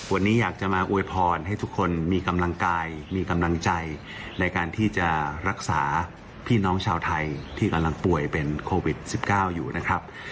วันนี้อยากจะมาอวยพรให้ทุกคนมีกำลังกายมีกำลังใจในการที่จะรักษาพี่น้องชาวไทยที่กำลังป่วยเป็นโควิด๑๙อยู่นะครับ